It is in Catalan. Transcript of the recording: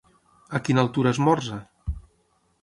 A quina altura esmorza?